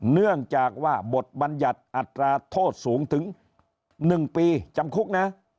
เนื่องจากว่าบทบัญญัติอัตราโทษสูงถึง๑ปีจำคุกนะ